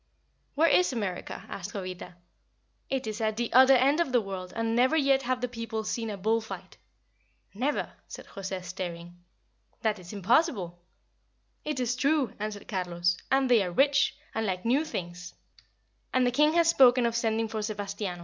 "Where is America?" asked Jovita. "It is at the other end of the world, and never yet have the people seen a bull fight." "Never?" said José, staring. "That is impossible!" "It is true," answered Carlos. "And they are rich, and like new things; and the king has spoken of sending for Sebastiano.